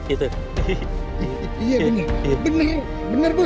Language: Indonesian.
itu kenapa tangan gitu din